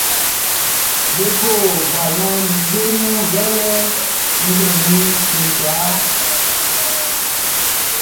Be bo balɔn Wunmiɛn-lolɛ-cɛn kwlaa nglɛmun.